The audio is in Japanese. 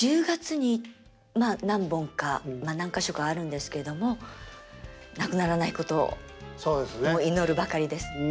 １０月にまあ何本か何か所かあるんですけどもなくならないことを祈るばかりです